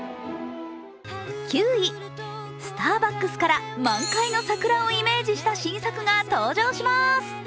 ９位、スターバックスから満開の桜をイメージした新作が登場します。